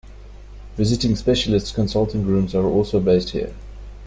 Visiting specialists consulting rooms are also based here.